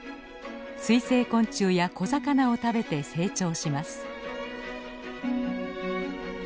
水生昆虫や小魚を食べて成長します。